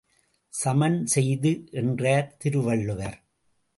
சமன் செய்து, என்றார் திருவள்ளுவர்.